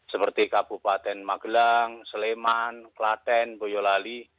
seperti kabupaten magelang sleman klaten boyolali